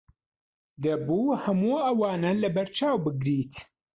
دەبوو هەموو ئەوانە لەبەرچاو بگریت.